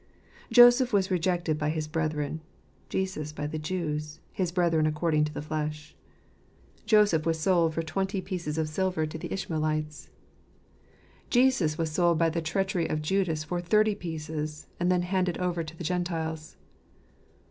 Joseph was rejected by his brethren; Jesus by the Jews, his brethren according to the flesh. Joseph was sold for twenty pieces of silver to the Ishmaelites ; Jesus was sold 76 f&]jz j^teps of tire QDfrrotte. by the treachery of Judas for thirty pieces, and then handed over to the Gentiles.